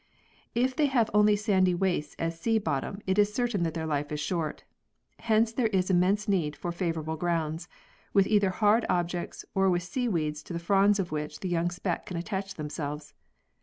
If they have only sandy wastes as sea bottom it is certain that their life is short. Hence there is im mense need for favourable grounds, with either hard objects or with seaweeds to the fronds of which the young spat can attach themselves.